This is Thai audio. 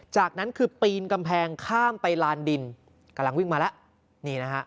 จากนั้นคือปีนกำแพงข้ามไปลานดินกำลังวิ่งมาแล้วนี่นะฮะ